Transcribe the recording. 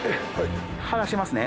離しますね。